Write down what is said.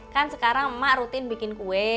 kan sekarang emak rutin bikin kue